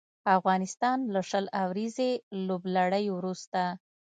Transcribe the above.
افغانستان له شل اوريزې لوبلړۍ وروسته